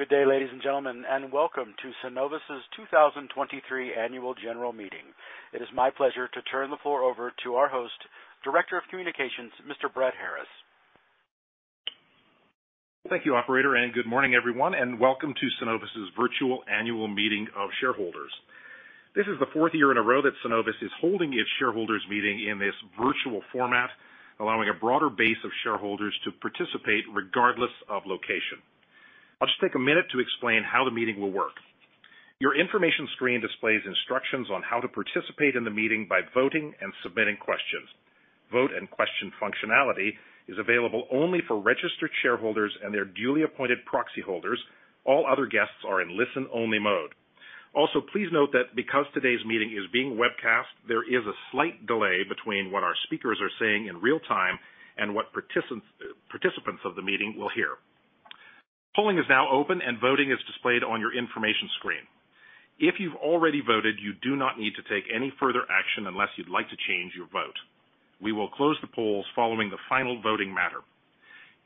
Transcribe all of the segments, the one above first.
Good day, ladies and gentlemen, and welcome to Cenovus' 2023 Annual General Meeting. It is my pleasure to turn the floor over to our host, Director of Communications, Mr. Brett Harris. Thank you, Operator, and good morning, everyone, and welcome to Cenovus' virtual annual meeting of shareholders. This is the fourth year in a row that Cenovus is holding its shareholders' meeting in this virtual format, allowing a broader base of shareholders to participate regardless of location. I'll just take a minute to explain how the meeting will work. Your information screen displays instructions on how to participate in the meeting by voting and submitting questions. Vote and question functionality is available only for registered shareholders and their duly appointed proxy holders. All other guests are in listen-only mode. Also, please note that because today's meeting is being webcast, there is a slight delay between what our speakers are saying in real time and what participants of the meeting will hear. Polling is now open, and voting is displayed on your information screen. If you've already voted, you do not need to take any further action unless you'd like to change your vote. We will close the polls following the final voting matter.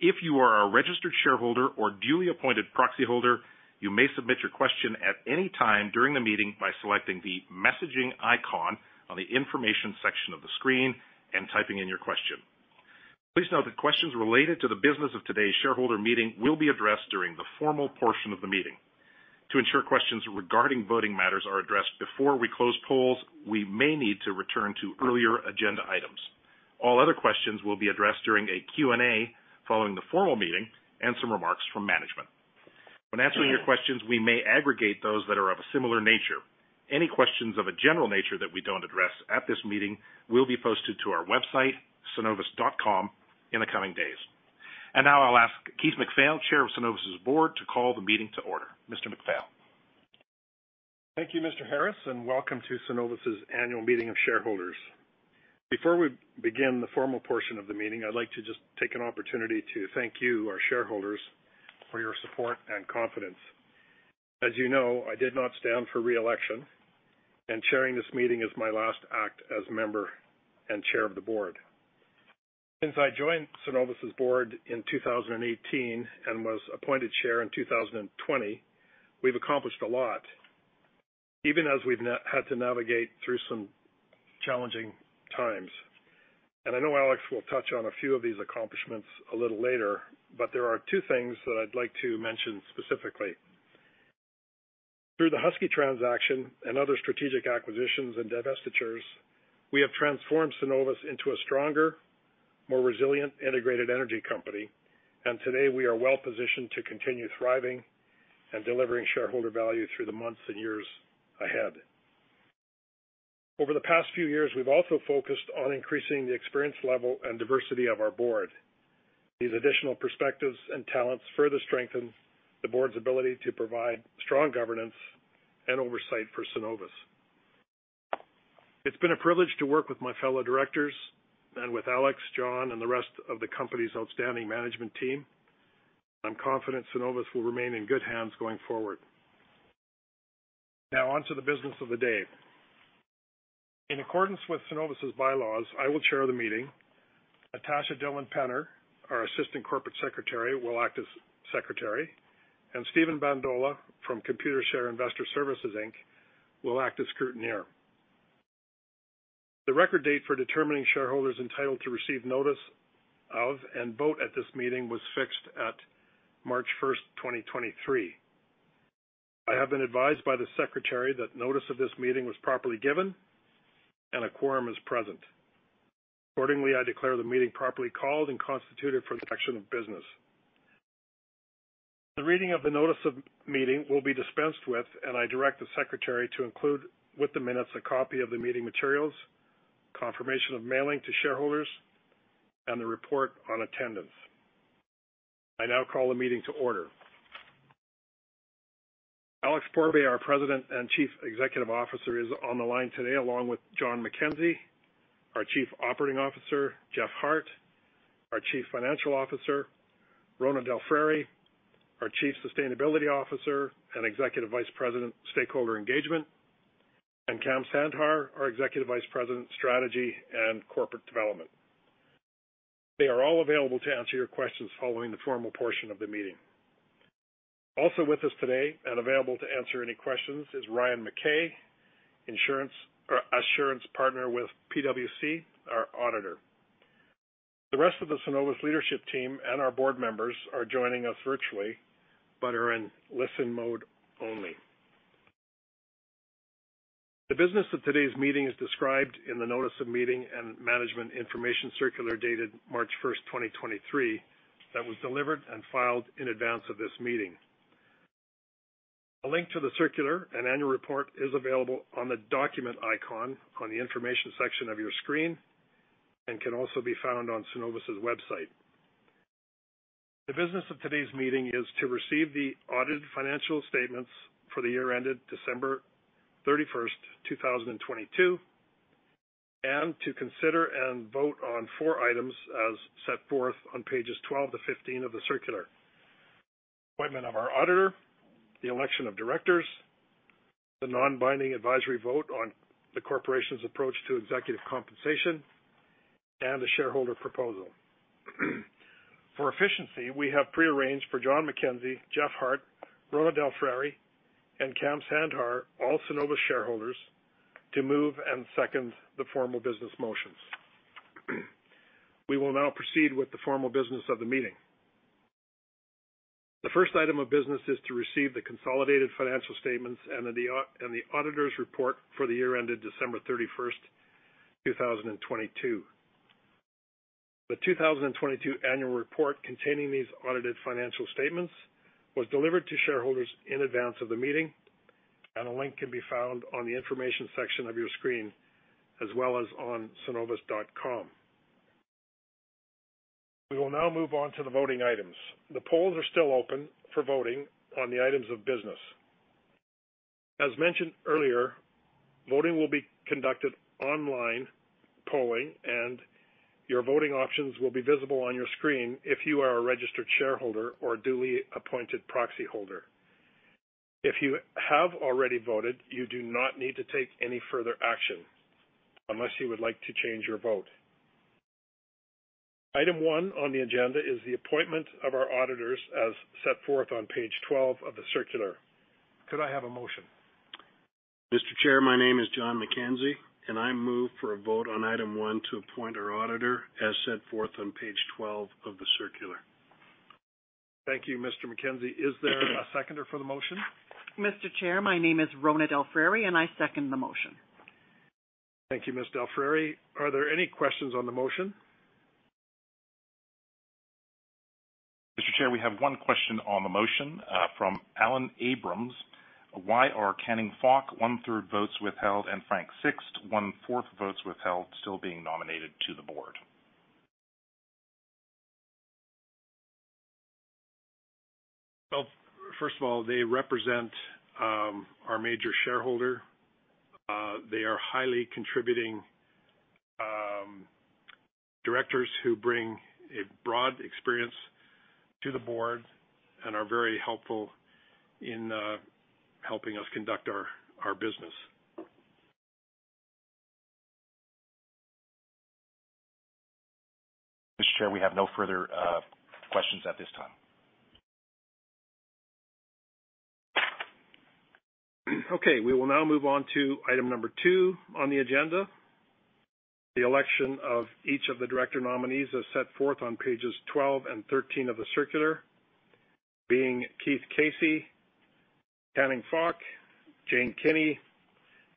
If you are a registered shareholder or duly appointed proxy holder, you may submit your question at any time during the meeting by selecting the messaging icon on the information section of the screen and typing in your question. Please note that questions related to the business of today's shareholder meeting will be addressed during the formal portion of the meeting. To ensure questions regarding voting matters are addressed before we close polls, we may need to return to earlier agenda items. All other questions will be addressed during a Q&A following the formal meeting and some remarks from management. When answering your questions, we may aggregate those that are of a similar nature. Any questions of a general nature that we do not address at this meeting will be posted to our website, cenovus.com, in the coming days. Now I will ask Keith MacPhail, Chair of Cenovus' board, to call the meeting to order. Mr. MacPhail. Thank you, Mr. Harris, and welcome to Cenovus' annual meeting of shareholders. Before we begin the formal portion of the meeting, I'd like to just take an opportunity to thank you, our shareholders, for your support and confidence. As you know, I did not stand for reelection, and chairing this meeting is my last act as member and chair of the board. Since I joined Cenovus' board in 2018 and was appointed chair in 2020, we've accomplished a lot, even as we've had to navigate through some challenging times. I know Alex will touch on a few of these accomplishments a little later, but there are two things that I'd like to mention specifically. Through the Husky transaction and other strategic acquisitions and divestitures, we have transformed Cenovus into a stronger, more resilient, integrated energy company, and today we are well positioned to continue thriving and delivering shareholder value through the months and years ahead. Over the past few years, we've also focused on increasing the experience level and diversity of our board. These additional perspectives and talents further strengthen the board's ability to provide strong governance and oversight for Cenovus. It's been a privilege to work with my fellow directors and with Alex, Jon, and the rest of the company's outstanding management team. I'm confident Cenovus will remain in good hands going forward. Now, on to the business of the day. In accordance with Cenovus' bylaws, I will chair the meeting. Natasha Dillon-Penner, our Assistant Corporate Secretary, will act as Secretary, and Steven Bandola from Computershare Investor Services will act as Scrutineer. The record date for determining shareholders entitled to receive notice of and vote at this meeting was fixed at March 1, 2023. I have been advised by the Secretary that notice of this meeting was properly given and a quorum is present. Accordingly, I declare the meeting properly called and constituted for the action of business. The reading of the notice of meeting will be dispensed with, and I direct the Secretary to include with the minutes a copy of the meeting materials, confirmation of mailing to shareholders, and the report on attendance. I now call the meeting to order. Alex Pourbaix, our President and Chief Executive Officer, is on the line today along with Jon McKenzie, our Chief Operating Officer, Jeff Hart, our Chief Financial Officer, Rhona DelFrari, our Chief Sustainability Officer and Executive Vice President, Stakeholder Engagement, and Kam Sandhar, our Executive Vice President, Strategy and Corporate Development. They are all available to answer your questions following the formal portion of the meeting. Also with us today and available to answer any questions is Ryan McKay, Assurance Partner with PwC, our Auditor. The rest of the Cenovus leadership team and our board members are joining us virtually but are in listen mode only. The business of today's meeting is described in the notice of meeting and management information circular dated March 1, 2023, that was delivered and filed in advance of this meeting. A link to the circular and annual report is available on the document icon on the information section of your screen and can also be found on Cenovus' website. The business of today's meeting is to receive the audited financial statements for the year ended December 31, 2022, and to consider and vote on four items as set forth on pages 12 to 15 of the circular: appointment of our Auditor, the election of Directors, the non-binding advisory vote on the corporation's approach to executive compensation, and a shareholder proposal. For efficiency, we have prearranged for Jon McKenzie, Jeff Hart, Rhona DelFrari, and Kam Sandhar, all Cenovus shareholders, to move and second the formal business motions. We will now proceed with the formal business of the meeting. The first item of business is to receive the consolidated financial statements and the Auditor's report for the year ended December 31, 2022. The 2022 annual report containing these audited financial statements was delivered to shareholders in advance of the meeting, and a link can be found on the information section of your screen as well as on cenovus.com. We will now move on to the voting items. The polls are still open for voting on the items of business. As mentioned earlier, voting will be conducted online, polling, and your voting options will be visible on your screen if you are a registered shareholder or a duly appointed proxy holder. If you have already voted, you do not need to take any further action unless you would like to change your vote. Item one on the agenda is the appointment of our Auditors as set forth on page 12 of the circular. Could I have a motion? Mr. Chair, my name is Jon McKenzie, and I move for a vote on item one to appoint our Auditor as set forth on page 12 of the circular. Thank you, Mr. McKenzie. Is there a seconder for the motion? Mr. Chair, my name is Rhona DelFrari, and I second the motion. Thank you, Ms. DelFrari. Are there any questions on the motion? Mr. Chair, we have one question on the motion from Alan Abrams. Why are Canning K. L. Fowler, one-third votes withheld, and Frank W. Sixt, one-fourth votes withheld, still being nominated to the board? They represent our major shareholder. They are highly contributing directors who bring a broad experience to the board and are very helpful in helping us conduct our business. Mr. Chair, we have no further questions at this time. Okay. We will now move on to item number two on the agenda. The election of each of the director nominees is set forth on pages 12 and 13 of the circular, being Keith Casey, Canning K. L. Fowler, Jane E. Kinney,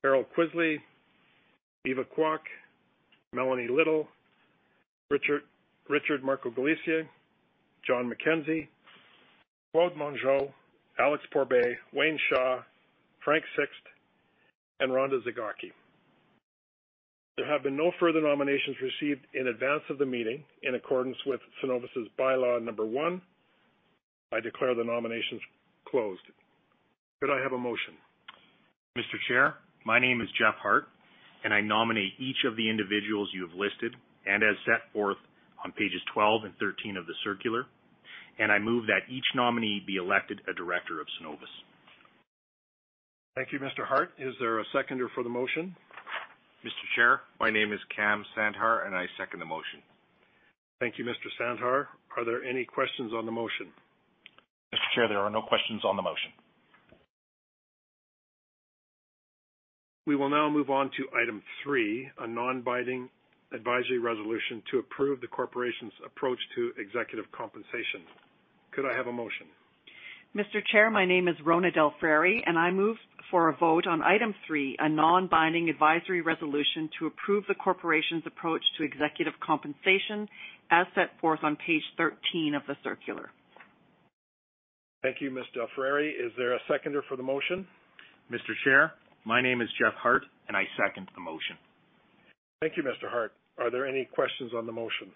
Errol M. McCormack, Eva H. Kwok, Melanie A. Little, Richard Marcogliese, Jon McKenzie, Claude M. Monjo, Alex Pourbaix, Wayne K. Shaw, Frank W. Sixt, and Rhona Zimnoch. There have been no further nominations received in advance of the meeting. In accordance with Cenovus' bylaw number one, I declare the nominations closed. Could I have a motion? Mr. Chair, my name is Jeff Hart, and I nominate each of the individuals you have listed and as set forth on pages 12 and 13 of the circular, and I move that each nominee be elected a director of Cenovus. Thank you, Mr. Hart. Is there a seconder for the motion? Mr. Chair, my name is Kam Sandhar, and I second the motion. Thank you, Mr. Sandhar. Are there any questions on the motion? Mr. Chair, there are no questions on the motion. We will now move on to item three, a non-binding advisory resolution to approve the corporation's approach to executive compensation. Could I have a motion? Mr. Chair, my name is Rhona DelFrari, and I move for a vote on item three, a non-binding advisory resolution to approve the corporation's approach to executive compensation as set forth on page 13 of the circular. Thank you, Ms. DelFrari. Is there a seconder for the motion? Mr. Chair, my name is Jeff Hart, and I second the motion. Thank you, Mr. Hart. Are there any questions on the motion?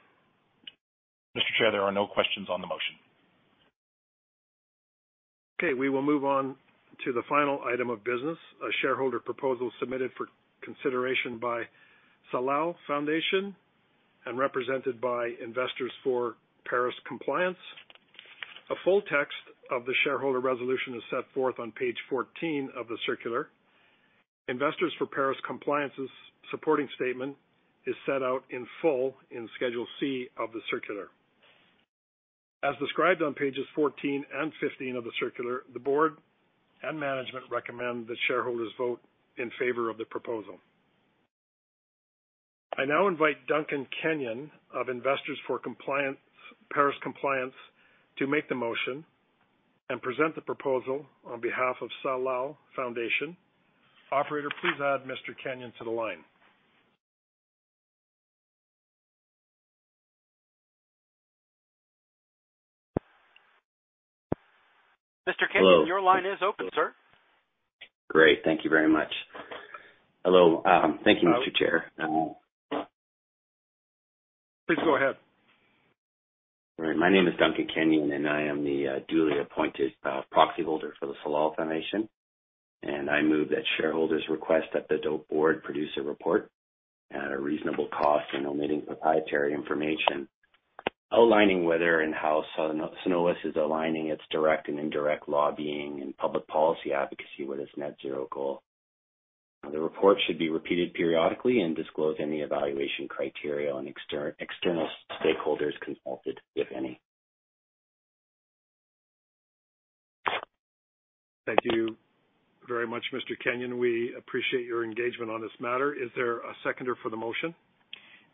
Mr. Chair, there are no questions on the motion. Okay. We will move on to the final item of business, a shareholder proposal submitted for consideration by Salal Foundation and represented by Investors for Paris Compliance. A full text of the shareholder resolution is set forth on page 14 of the circular. Investors for Paris Compliance's supporting statement is set out in full in schedule C of the circular. As described on pages 14 and 15 of the circular, the board and management recommend that shareholders vote in favor of the proposal. I now invite Duncan Kenyon of Investors for Paris Compliance to make the motion and present the proposal on behalf of Salal Foundation. Operator, please add Mr. Kenyon to the line. Mr. Kenyon, your line is open, sir. Great. Thank you very much. Hello. Thank you, Mr. Chair. Please go ahead. All right. My name is Duncan Kenyon, and I am the duly appointed proxy holder for the Salal Foundation. I move that shareholders request that the board produce a report at a reasonable cost and omitting proprietary information, outlining whether and how Cenovus is aligning its direct and indirect lobbying and public policy advocacy with its net-zero goal. The report should be repeated periodically and disclose any evaluation criteria on external stakeholders consulted, if any. Thank you very much, Mr. Kenyon. We appreciate your engagement on this matter. Is there a seconder for the motion?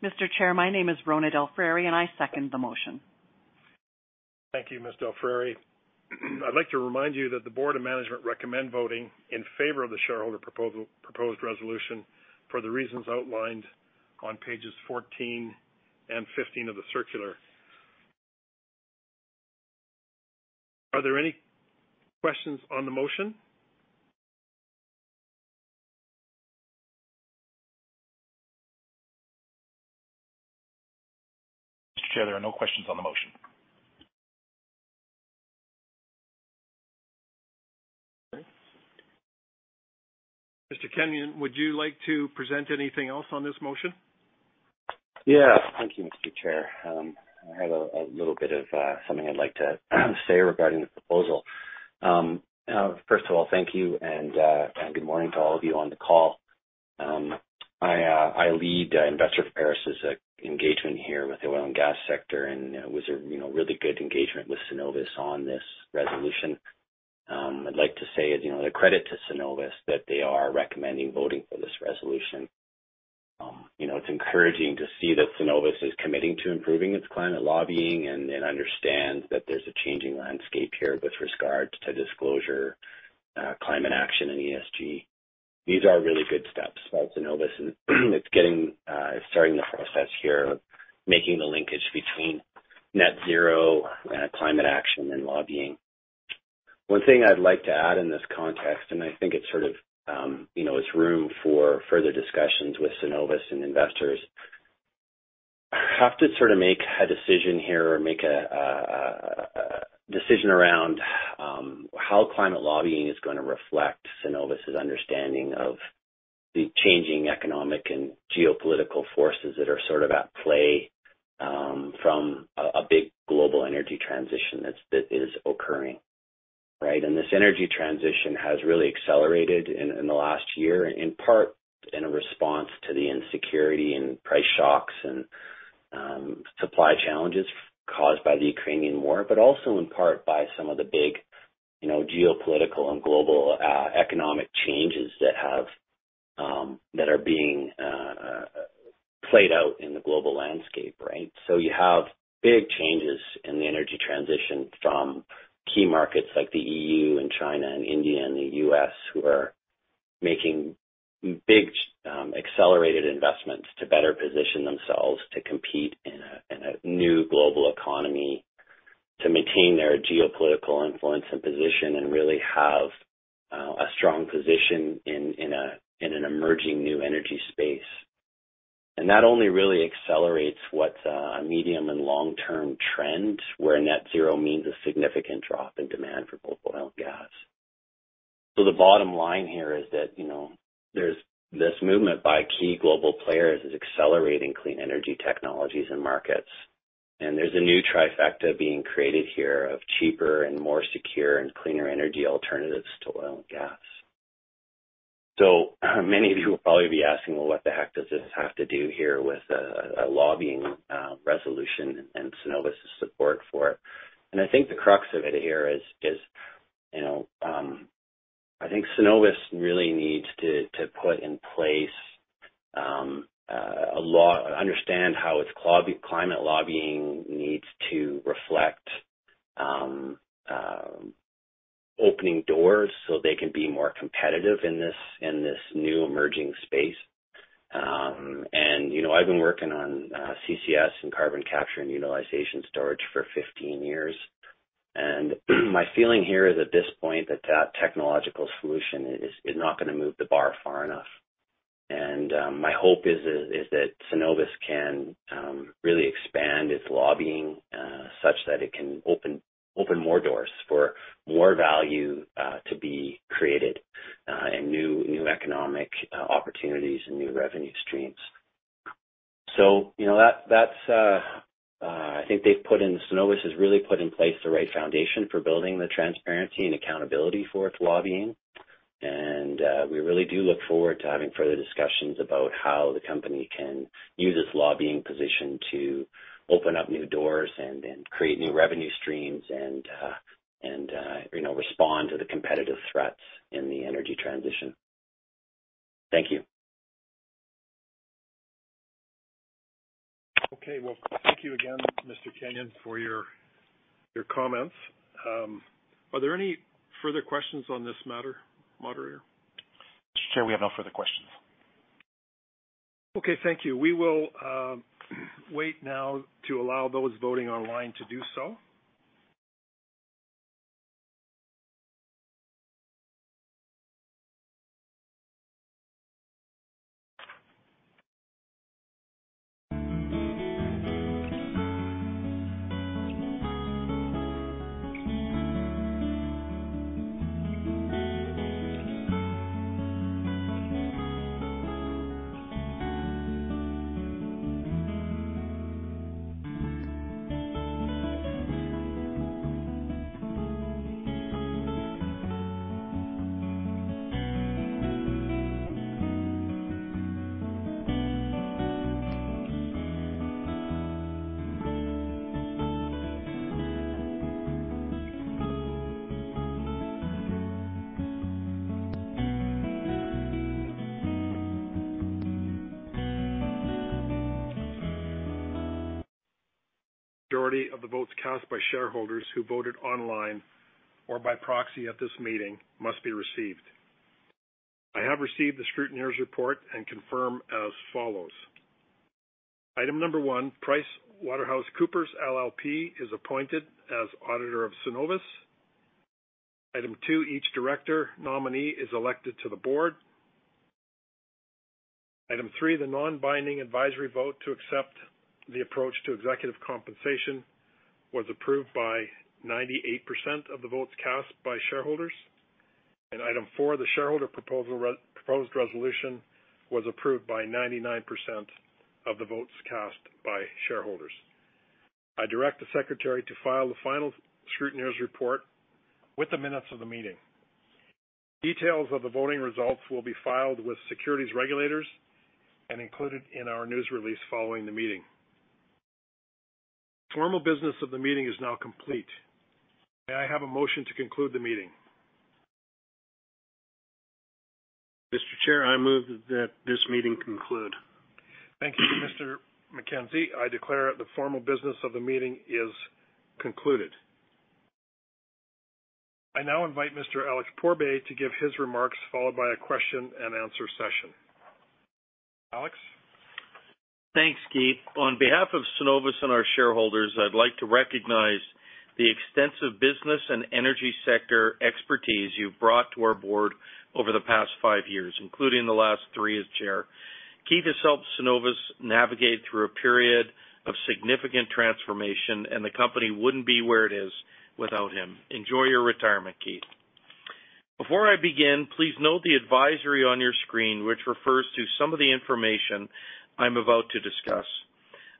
Mr. Chair, my name is Rhona DelFrari, and I second the motion. Thank you, Ms. DelFrari. I'd like to remind you that the board and management recommend voting in favor of the shareholder proposed resolution for the reasons outlined on pages 14 and 15 of the circular. Are there any questions on the motion? Mr. Chair, there are no questions on the motion. Okay. Mr. Kenyon, would you like to present anything else on this motion? Yeah. Thank you, Mr. Chair. I had a little bit of something I'd like to say regarding the proposal. First of all, thank you and good morning to all of you on the call. I lead Investors for Paris' engagement here with the oil and gas sector, and it was a really good engagement with Cenovus on this resolution. I'd like to say the credit to Cenovus that they are recommending voting for this resolution. It's encouraging to see that Cenovus is committing to improving its climate lobbying and understands that there's a changing landscape here with regard to disclosure, climate action, and ESG. These are really good steps by Cenovus, and it's starting the process here, making the linkage between net-zero climate action and lobbying. One thing I'd like to add in this context, and I think it's sort of room for further discussions with Cenovus and investors, I have to sort of make a decision here or make a decision around how climate lobbying is going to reflect Cenovus' understanding of the changing economic and geopolitical forces that are sort of at play from a big global energy transition that is occurring, right? This energy transition has really accelerated in the last year, in part in response to the insecurity and price shocks and supply challenges caused by the Ukrainian war, but also in part by some of the big geopolitical and global economic changes that are being played out in the global landscape, right? You have big changes in the energy transition from key markets like the EU and China and India and the U.S. who are making big accelerated investments to better position themselves to compete in a new global economy, to maintain their geopolitical influence and position, and really have a strong position in an emerging new energy space. That only really accelerates what is a medium and long-term trend where net-zero means a significant drop in demand for both oil and gas. The bottom line here is that there is this movement by key global players accelerating clean energy technologies and markets, and there is a new trifecta being created here of cheaper and more secure and cleaner energy alternatives to oil and gas. Many of you will probably be asking, "What the heck does this have to do here with a lobbying resolution and Cenovus' support for it?" I think the crux of it here is I think Cenovus really needs to put in place a lot to understand how its climate lobbying needs to reflect opening doors so they can be more competitive in this new emerging space. I've been working on CCS and carbon capture and utilization storage for 15 years. My feeling here is at this point that that technological solution is not going to move the bar far enough. My hope is that Cenovus can really expand its lobbying such that it can open more doors for more value to be created and new economic opportunities and new revenue streams. I think they've put in Cenovus has really put in place the right foundation for building the transparency and accountability for its lobbying. We really do look forward to having further discussions about how the company can use its lobbying position to open up new doors and create new revenue streams and respond to the competitive threats in the energy transition. Thank you. Okay. Thank you again, Mr. Kenyon, for your comments. Are there any further questions on this matter, Operator? Mr. Chair, we have no further questions. Okay. Thank you. We will wait now to allow those voting online to do so. Majority of the votes cast by shareholders who voted online or by proxy at this meeting must be received. I have received the scrutineer's report and confirm as follows. Item number one, PricewaterhouseCoopers LLP is appointed as auditor of Cenovus. Item two, each director nominee is elected to the board. Item three, the non-binding advisory vote to accept the approach to executive compensation was approved by 98% of the votes cast by shareholders. Item four, the shareholder proposed resolution was approved by 99% of the votes cast by shareholders. I direct the secretary to file the final scrutineer's report with the minutes of the meeting. Details of the voting results will be filed with securities regulators and included in our news release following the meeting. The formal business of the meeting is now complete. May I have a motion to conclude the meeting? Mr. Chair, I move that this meeting conclude. Thank you, Mr. McKenzie. I declare the formal business of the meeting is concluded. I now invite Mr. Alex Pourbaix to give his remarks followed by a question-and-answer session. Alex? Thanks, Keith. On behalf of Cenovus and our shareholders, I'd like to recognize the extensive business and energy sector expertise you've brought to our board over the past five years, including the last three as Chair. Keith has helped Cenovus navigate through a period of significant transformation, and the company wouldn't be where it is without him. Enjoy your retirement, Keith. Before I begin, please note the advisory on your screen, which refers to some of the information I'm about to discuss.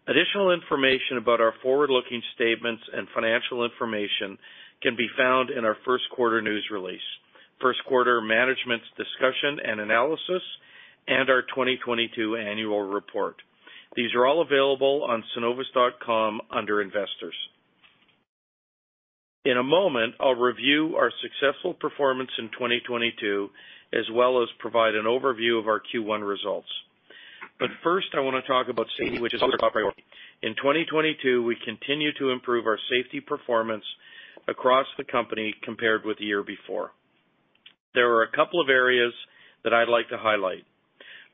Additional information about our forward-looking statements and financial information can be found in our first-quarter news release, first-quarter management's discussion and analysis, and our 2022 annual report. These are all available on cenovus.com under Investors. In a moment, I'll review our successful performance in 2022 as well as provide an overview of our Q1 results. First, I want to talk about safety, which is our top priority. In 2022, we continue to improve our safety performance across the company compared with the year before. There are a couple of areas that I'd like to highlight.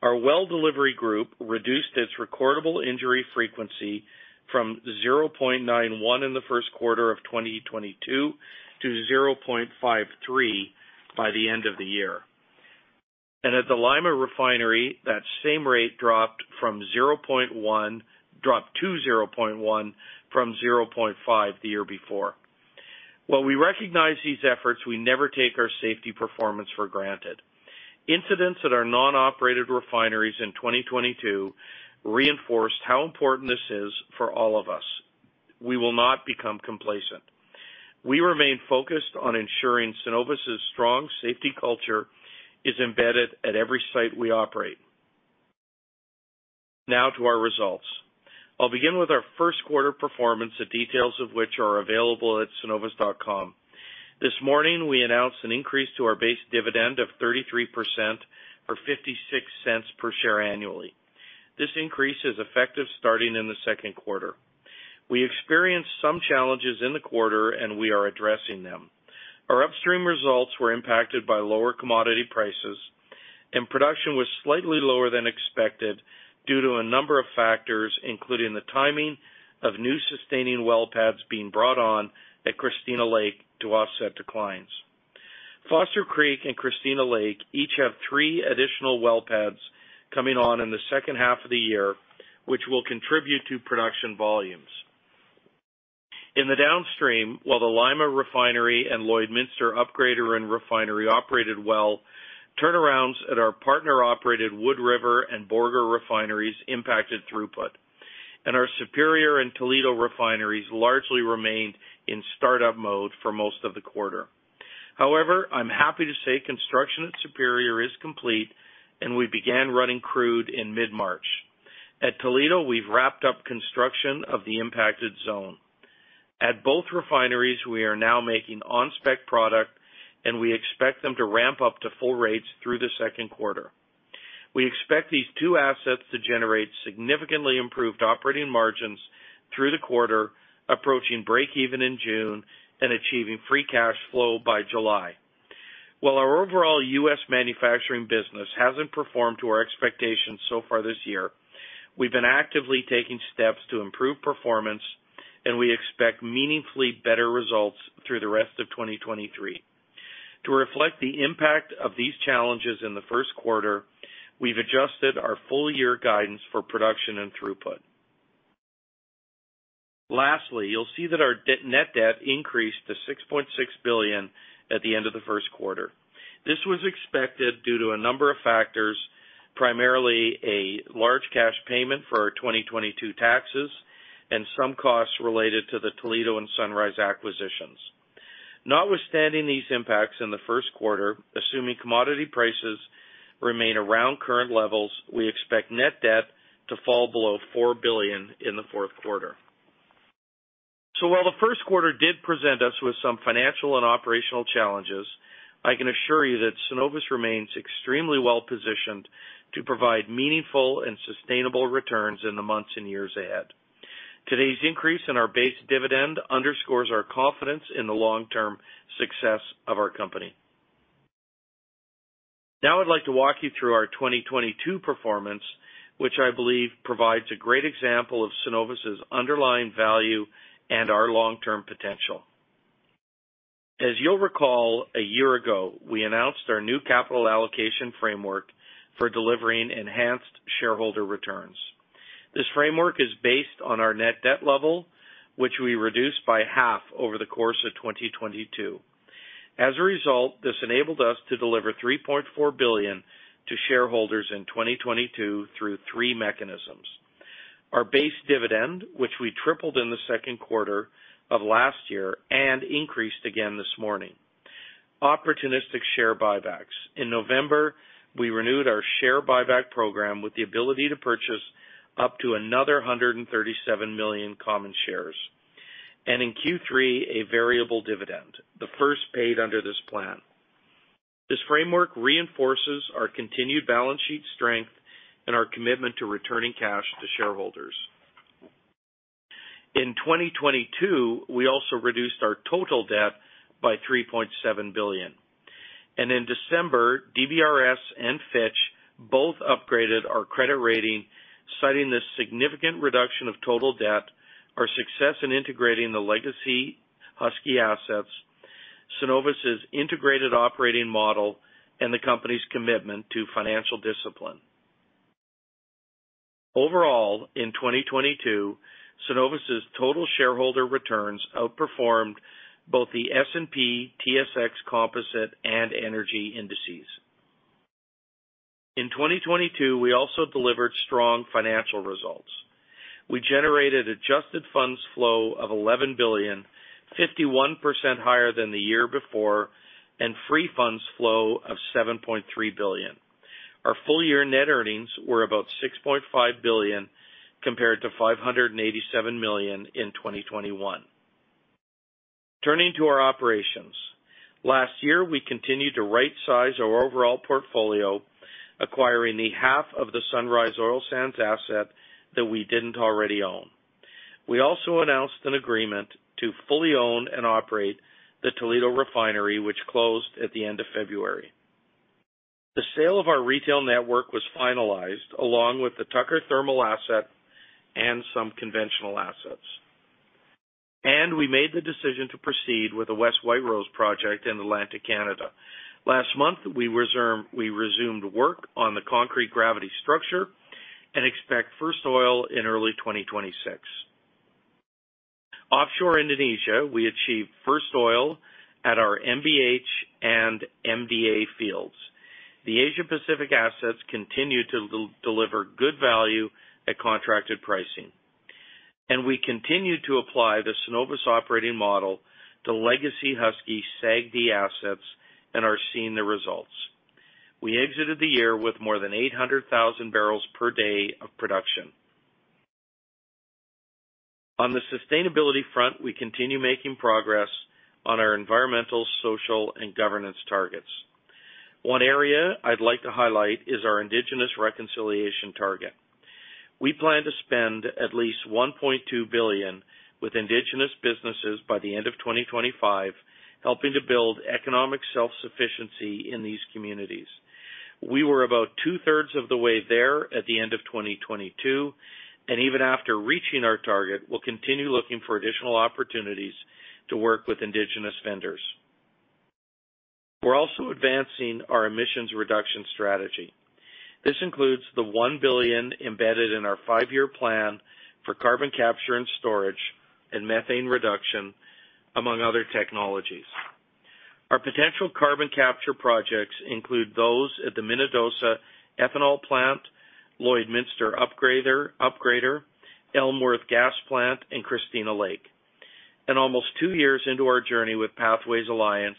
Our well delivery group reduced its recordable injury frequency from 0.91 in the first quarter of 2022 to 0.53 by the end of the year. At the Lima refinery, that same rate dropped to 0.1 from 0.5 the year before. While we recognize these efforts, we never take our safety performance for granted. Incidents at our non-operated refineries in 2022 reinforced how important this is for all of us. We will not become complacent. We remain focused on ensuring Cenovus' strong safety culture is embedded at every site we operate. Now to our results. I'll begin with our first-quarter performance, the details of which are available at cenovus.com. This morning, we announced an increase to our base dividend of 33% for 0.56 per share annually. This increase is effective starting in the second quarter. We experienced some challenges in the quarter, and we are addressing them. Our upstream results were impacted by lower commodity prices, and production was slightly lower than expected due to a number of factors, including the timing of new sustaining well pads being brought on at Christina Lake to offset declines. Foster Creek and Christina Lake each have three additional well pads coming on in the second half of the year, which will contribute to production volumes. In the downstream, while the Lima refinery and Lloydminster upgrader are refinery operated well, turnarounds at our partner-operated Wood River and Borger refineries impacted throughput. Our Superior and Toledo refineries largely remained in startup mode for most of the quarter. However, I'm happy to say construction at Superior is complete, and we began running crude in mid-March. At Toledo, we've wrapped up construction of the impacted zone. At both refineries, we are now making on-spec product, and we expect them to ramp up to full rates through the second quarter. We expect these two assets to generate significantly improved operating margins through the quarter, approaching break-even in June, and achieving free cash flow by July. While our overall US manufacturing business hasn't performed to our expectations so far this year, we've been actively taking steps to improve performance, and we expect meaningfully better results through the rest of 2023. To reflect the impact of these challenges in the first quarter, we've adjusted our full-year guidance for production and throughput. Lastly, you'll see that our net debt increased to 6.6 billion at the end of the first quarter. This was expected due to a number of factors, primarily a large cash payment for our 2022 taxes and some costs related to the Toledo and Sunrise acquisitions. Notwithstanding these impacts in the first quarter, assuming commodity prices remain around current levels, we expect net debt to fall below 4 billion in the fourth quarter. While the first quarter did present us with some financial and operational challenges, I can assure you that Cenovus remains extremely well-positioned to provide meaningful and sustainable returns in the months and years ahead. Today's increase in our base dividend underscores our confidence in the long-term success of our company. Now I'd like to walk you through our 2022 performance, which I believe provides a great example of Cenovus' underlying value and our long-term potential. As you'll recall, a year ago, we announced our new capital allocation framework for delivering enhanced shareholder returns. This framework is based on our net debt level, which we reduced by half over the course of 2022. As a result, this enabled us to deliver 3.4 billion to shareholders in 2022 through three mechanisms: our base dividend, which we tripled in the second quarter of last year and increased again this morning; opportunistic share buybacks. In November, we renewed our share buyback program with the ability to purchase up to another 137 million common shares; and in Q3, a variable dividend, the first paid under this plan. This framework reinforces our continued balance sheet strength and our commitment to returning cash to shareholders. In 2022, we also reduced our total debt by 3.7 billion. In December, DBRS and Fitch both upgraded our credit rating, citing the significant reduction of total debt, our success in integrating the legacy Husky assets, Cenovus' integrated operating model, and the company's commitment to financial discipline. Overall, in 2022, Cenovus' total shareholder returns outperformed both the S&P, TSX Composite, and energy indices. In 2022, we also delivered strong financial results. We generated adjusted funds flow of CAD 11 billion, 51% higher than the year before, and free funds flow of CAD 7.3 billion. Our full-year net earnings were about 6.5 billion compared to 587 million in 2021. Turning to our operations, last year, we continued to right-size our overall portfolio, acquiring the half of the Sunrise Oil Sands asset that we did not already own. We also announced an agreement to fully own and operate the Toledo refinery, which closed at the end of February. The sale of our retail network was finalized, along with the Tucker thermal asset and some conventional assets. We made the decision to proceed with a West White Rose project in Atlantic Canada. Last month, we resumed work on the concrete gravity structure and expect first oil in early 2026. Offshore Indonesia, we achieved first oil at our MBH and MDA fields. The Asia-Pacific assets continue to deliver good value at contracted pricing. We continue to apply the Cenovus operating model to legacy Husky SAGD assets and are seeing the results. We exited the year with more than 800,000 barrels per day of production. On the sustainability front, we continue making progress on our environmental, social, and governance targets. One area I'd like to highlight is our indigenous reconciliation target. We plan to spend at least 1.2 billion with Indigenous businesses by the end of 2025, helping to build economic self-sufficiency in these communities. We were about two-thirds of the way there at the end of 2022, and even after reaching our target, we will continue looking for additional opportunities to work with Indigenous vendors. We are also advancing our emissions reduction strategy. This includes the 1 billion embedded in our five-year plan for carbon capture and storage and methane reduction, among other technologies. Our potential carbon capture projects include those at the Minnesota ethanol plant, Lloydminster upgrader, Elmworth gas plant, and Christina Lake. Almost two years into our journey with Pathways Alliance,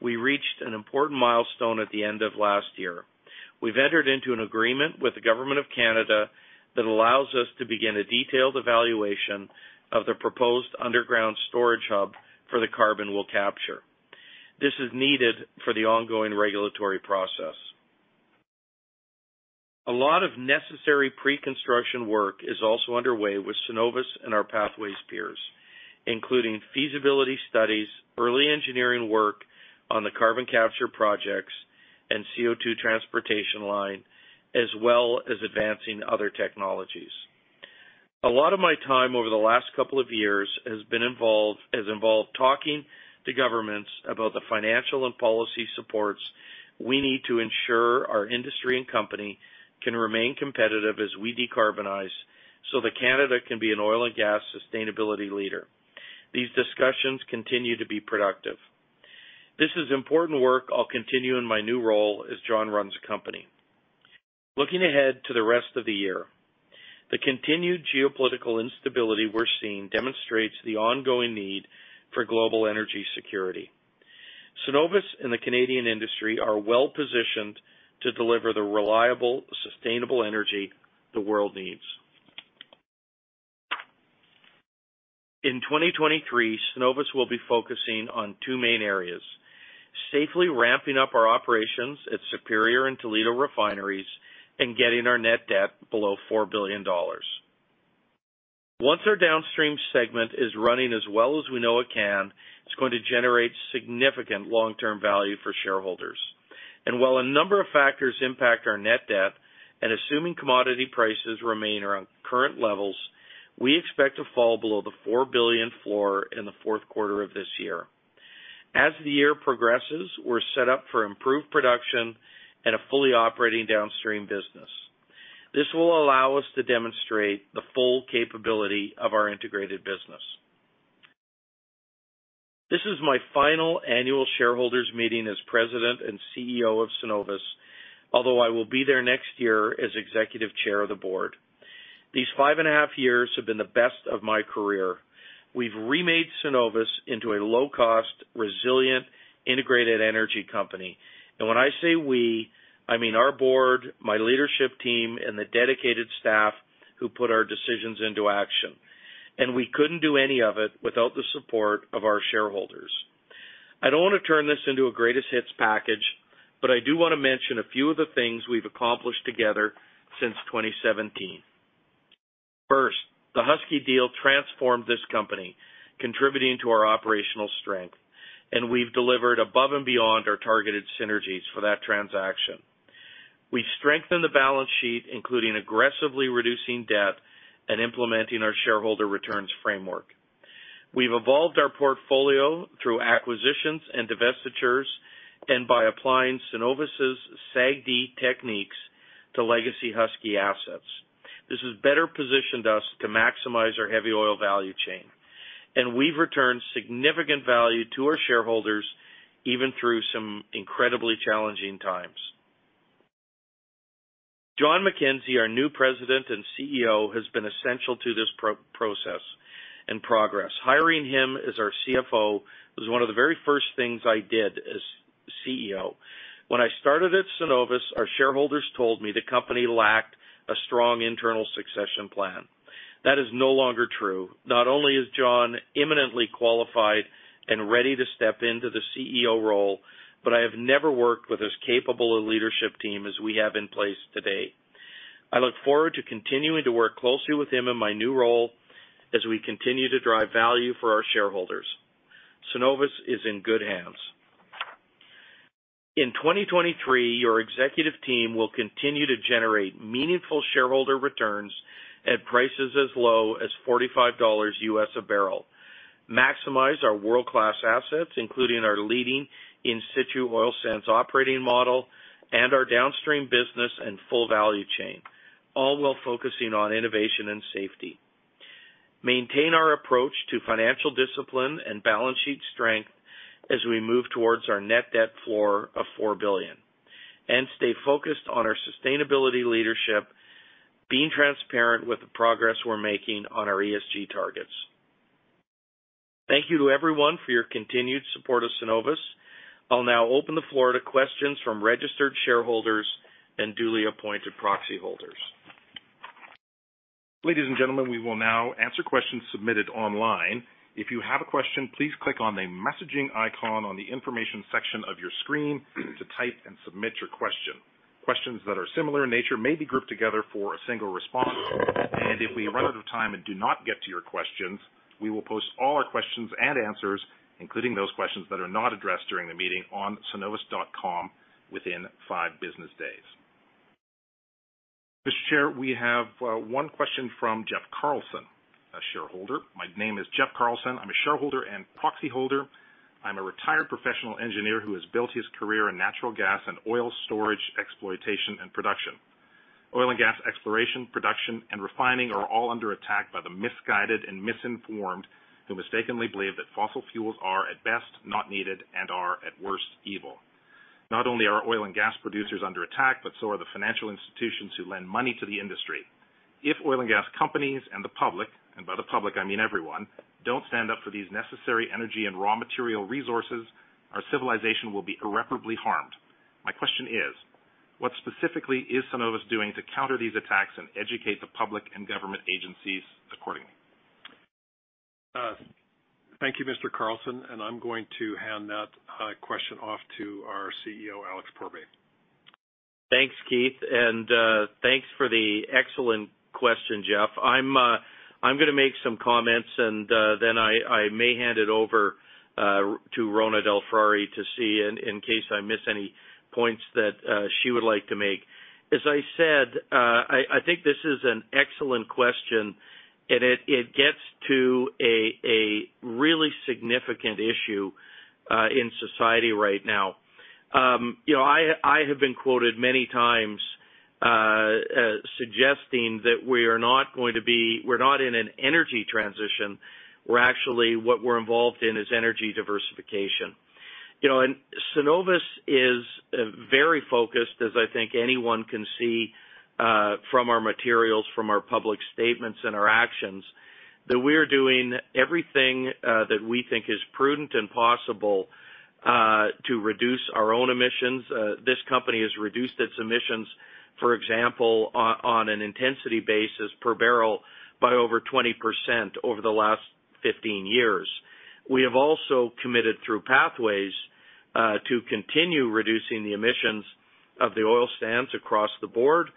we reached an important milestone at the end of last year. We've entered into an agreement with the government of Canada that allows us to begin a detailed evaluation of the proposed underground storage hub for the carbon we'll capture. This is needed for the ongoing regulatory process. A lot of necessary pre-construction work is also underway with Cenovus and our Pathways peers, including feasibility studies, early engineering work on the carbon capture projects and CO2 transportation line, as well as advancing other technologies. A lot of my time over the last couple of years has been involved talking to governments about the financial and policy supports we need to ensure our industry and company can remain competitive as we decarbonize so that Canada can be an oil and gas sustainability leader. These discussions continue to be productive. This is important work I'll continue in my new role as Jon runs the company. Looking ahead to the rest of the year, the continued geopolitical instability we're seeing demonstrates the ongoing need for global energy security. Cenovus and the Canadian industry are well-positioned to deliver the reliable, sustainable energy the world needs. In 2023, Cenovus will be focusing on two main areas: safely ramping up our operations at Superior and Toledo refineries and getting our net debt below 4 billion dollars. Once our downstream segment is running as well as we know it can, it's going to generate significant long-term value for shareholders. While a number of factors impact our net debt, and assuming commodity prices remain around current levels, we expect to fall below the 4 billion floor in the fourth quarter of this year. As the year progresses, we're set up for improved production and a fully operating downstream business. This will allow us to demonstrate the full capability of our integrated business. This is my final annual shareholders meeting as President and CEO of Cenovus, although I will be there next year as Executive Chair of the board. These five and a half years have been the best of my career. We've remade Cenovus into a low-cost, resilient, integrated energy company. When I say we, I mean our board, my leadership team, and the dedicated staff who put our decisions into action. We could not do any of it without the support of our shareholders. I do not want to turn this into a greatest hits package, but I do want to mention a few of the things we've accomplished together since 2017. First, the Husky deal transformed this company, contributing to our operational strength. We have delivered above and beyond our targeted synergies for that transaction. have strengthened the balance sheet, including aggressively reducing debt and implementing our shareholder returns framework. We have evolved our portfolio through acquisitions and divestitures and by applying Cenovus' SAGD techniques to legacy Husky assets. This has better positioned us to maximize our heavy oil value chain. We have returned significant value to our shareholders, even through some incredibly challenging times. Jon McKenzie, our new President and CEO, has been essential to this process and progress. Hiring him as our CFO was one of the very first things I did as CEO. When I started at Cenovus, our shareholders told me the company lacked a strong internal succession plan. That is no longer true. Not only is Jon imminently qualified and ready to step into the CEO role, but I have never worked with as capable a leadership team as we have in place today. I look forward to continuing to work closely with him in my new role as we continue to drive value for our shareholders. Cenovus is in good hands. In 2023, your executive team will continue to generate meaningful shareholder returns at prices as low as $45 a barrel, maximize our world-class assets, including our leading in-situ oil sands operating model, and our downstream business and full value chain, all while focusing on innovation and safety. Maintain our approach to financial discipline and balance sheet strength as we move towards our net debt floor of $4 billion, and stay focused on our sustainability leadership, being transparent with the progress we're making on our ESG targets. Thank you to everyone for your continued support of Cenovus. I'll now open the floor to questions from registered shareholders and duly appointed proxy holders. Ladies and gentlemen, we will now answer questions submitted online. If you have a question, please click on the messaging icon on the information section of your screen to type and submit your question. Questions that are similar in nature may be grouped together for a single response. If we run out of time and do not get to your questions, we will post all our questions and answers, including those questions that are not addressed during the meeting, on cenovus.com within five business days. Mr. Chair, we have one question from Jeff Carlson, a shareholder. My name is Jeff Carlson. I'm a shareholder and proxy holder. I'm a retired professional engineer who has built his career in natural gas and oil storage, exploitation, and production. Oil and gas exploration, production, and refining are all under attack by the misguided and misinformed who mistakenly believe that fossil fuels are, at best, not needed and are, at worst, evil. Not only are oil and gas producers under attack, but so are the financial institutions who lend money to the industry. If oil and gas companies and the public, and by the public, I mean everyone, do not stand up for these necessary energy and raw material resources, our civilization will be irreparably harmed. My question is, what specifically is Cenovus doing to counter these attacks and educate the public and government agencies accordingly? Thank you, Mr. Carlson. I am going to hand that question off to our CEO, Alex Pourbaix. Thanks, Keith. Thanks for the excellent question, Jeff. I'm going to make some comments, and then I may hand it over to Rhona DelFrari to see in case I miss any points that she would like to make. As I said, I think this is an excellent question, and it gets to a really significant issue in society right now. I have been quoted many times suggesting that we are not going to be—we're not in an energy transition. We're actually—what we're involved in is energy diversification. Cenovus is very focused, as I think anyone can see from our materials, from our public statements and our actions, that we are doing everything that we think is prudent and possible to reduce our own emissions. This company has reduced its emissions, for example, on an intensity basis per barrel by over 20% over the last 15 years. We have also committed, through Pathways, to continue reducing the emissions of the oil sands across the board,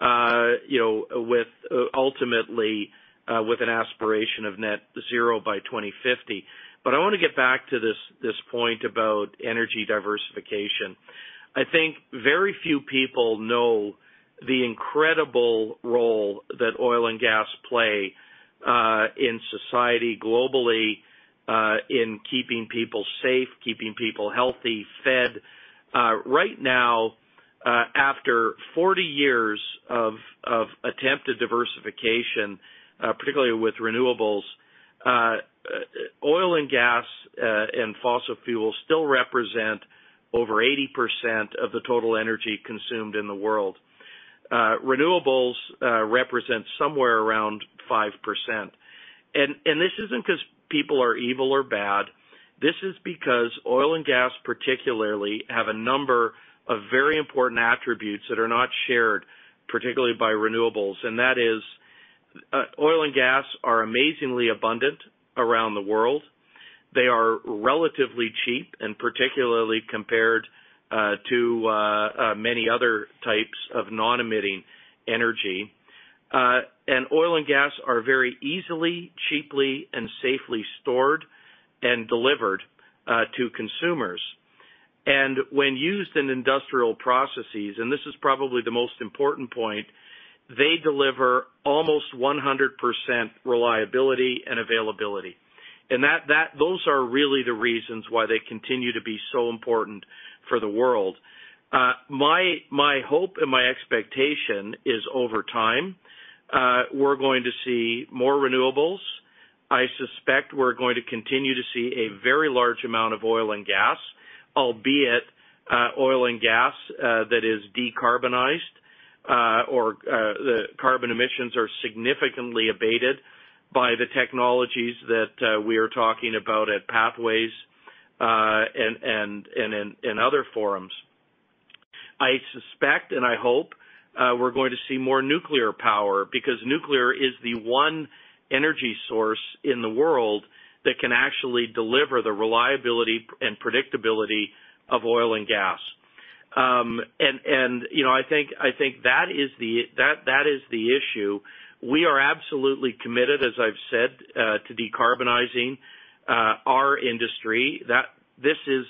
ultimately with an aspiration of net zero by 2050. I want to get back to this point about energy diversification. I think very few people know the incredible role that oil and gas play in society globally in keeping people safe, keeping people healthy, fed. Right now, after 40 years of attempted diversification, particularly with renewables, oil and gas and fossil fuels still represent over 80% of the total energy consumed in the world. Renewables represent somewhere around 5%. This is not because people are evil or bad. This is because oil and gas, particularly, have a number of very important attributes that are not shared, particularly by renewables. That is, oil and gas are amazingly abundant around the world. They are relatively cheap, particularly compared to many other types of non-emitting energy. Oil and gas are very easily, cheaply, and safely stored and delivered to consumers. When used in industrial processes, and this is probably the most important point, they deliver almost 100% reliability and availability. Those are really the reasons why they continue to be so important for the world. My hope and my expectation is, over time, we're going to see more renewables. I suspect we're going to continue to see a very large amount of oil and gas, albeit oil and gas that is decarbonized or the carbon emissions are significantly abated by the technologies that we are talking about at Pathways and in other forums. I suspect and I hope we're going to see more nuclear power because nuclear is the one energy source in the world that can actually deliver the reliability and predictability of oil and gas. I think that is the issue. We are absolutely committed, as I've said, to decarbonizing our industry. This is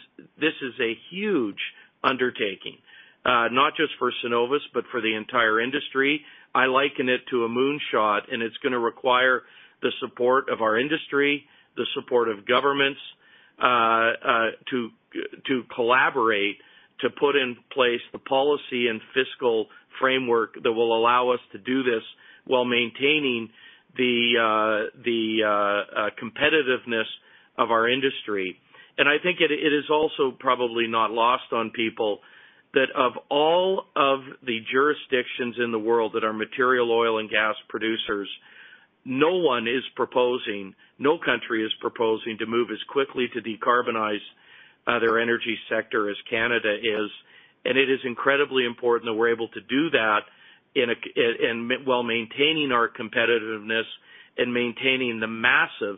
a huge undertaking, not just for Cenovus, but for the entire industry. I liken it to a moonshot, and it's going to require the support of our industry, the support of governments to collaborate to put in place the policy and fiscal framework that will allow us to do this while maintaining the competitiveness of our industry. I think it is also probably not lost on people that of all of the jurisdictions in the world that are material oil and gas producers, no one is proposing—no country is proposing—to move as quickly to decarbonize their energy sector as Canada is. It is incredibly important that we're able to do that while maintaining our competitiveness and maintaining the massive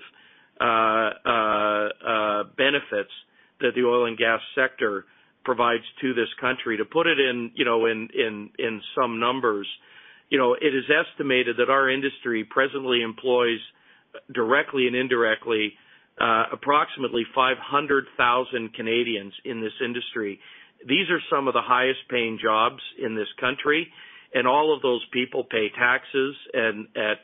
benefits that the oil and gas sector provides to this country. To put it in some numbers, it is estimated that our industry presently employs directly and indirectly approximately 500,000 Canadians in this industry. These are some of the highest-paying jobs in this country, and all of those people pay taxes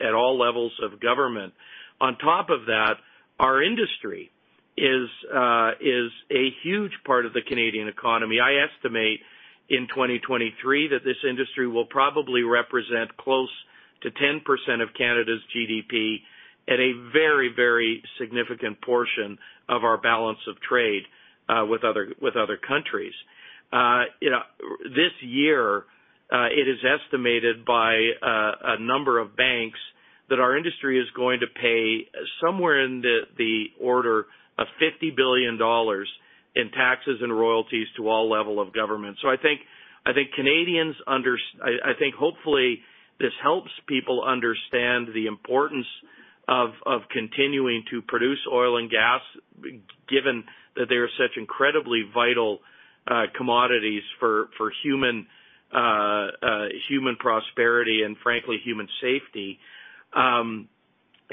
at all levels of government. On top of that, our industry is a huge part of the Canadian economy. I estimate in 2023 that this industry will probably represent close to 10% of Canada's GDP and a very, very significant portion of our balance of trade with other countries. This year, it is estimated by a number of banks that our industry is going to pay somewhere in the order of $50 billion in taxes and royalties to all levels of government. I think Canadians—I think hopefully this helps people understand the importance of continuing to produce oil and gas, given that they are such incredibly vital commodities for human prosperity and, frankly, human safety.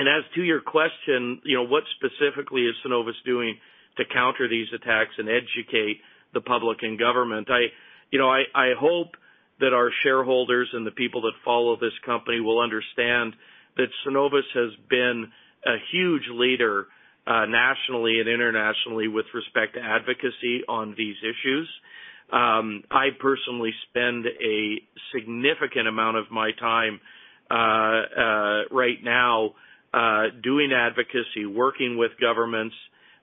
As to your question, what specifically is Cenovus doing to counter these attacks and educate the public and government? I hope that our shareholders and the people that follow this company will understand that Cenovus has been a huge leader nationally and internationally with respect to advocacy on these issues. I personally spend a significant amount of my time right now doing advocacy, working with governments,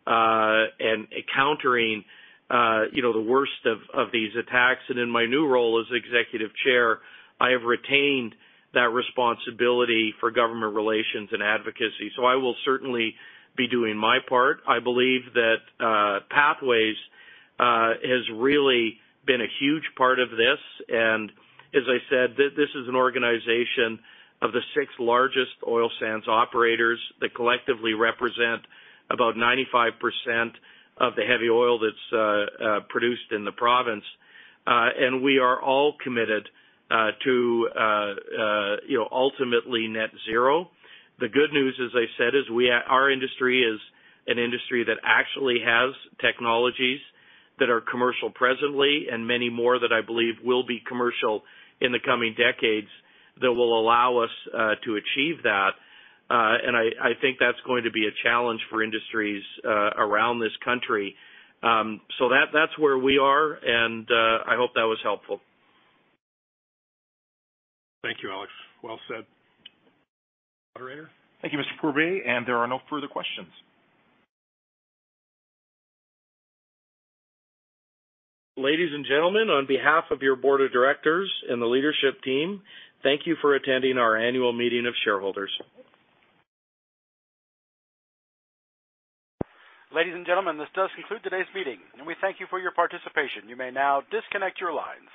and countering the worst of these attacks. In my new role as Executive Chair, I have retained that responsibility for government relations and advocacy. I will certainly be doing my part. I believe that Pathways has really been a huge part of this. As I said, this is an organization of the six largest oil sands operators that collectively represent about 95% of the heavy oil that's produced in the province. We are all committed to ultimately net zero. The good news, as I said, is our industry is an industry that actually has technologies that are commercial presently and many more that I believe will be commercial in the coming decades that will allow us to achieve that. I think that's going to be a challenge for industries around this country. That's where we are, and I hope that was helpful. Thank you, Alex. Well said. Thank you, Mr. Pourbaix. There are no further questions. Ladies and gentlemen, on behalf of your board of directors and the leadership team, thank you for attending our annual meeting of shareholders. Ladies and gentlemen, this does conclude today's meeting, and we thank you for your participation. You may now disconnect your lines.